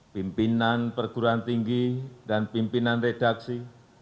pimpinan perguruan tinggi dan pimpinan redaksi